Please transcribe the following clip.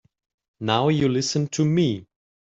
Now you listen to me.